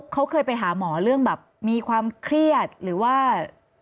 เขาเคยไปหาหมอเรื่องแบบมีความเครียดหรือว่า